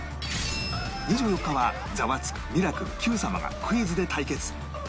２４日は『ザワつく！』『ミラクル』『Ｑ さま！！』がクイズで対決